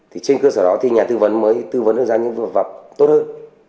thì trên cơ sở đó thì nhà tư vấn mới tư vấn ra những vật vật tốt hơn